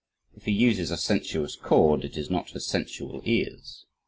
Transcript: If he uses a sensuous chord, it is not for sensual ears.